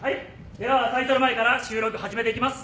ではタイトル前から収録始めていきます。